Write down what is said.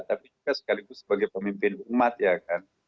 tapi juga sekaligus sebagai pemimpin umat ya kan